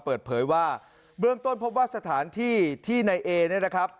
เปิดเผยว่าเบื้องต้นพบว่าสถานที่ที่ในเอเนี่ยนะครับ